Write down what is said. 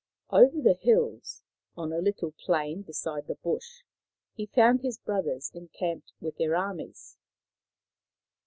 Over the hills, on a little plain beside the bush, he found his brothers encamped with their armies.